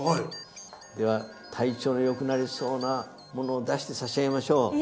では体調の良くなりそうなものを出してさしあげましょう。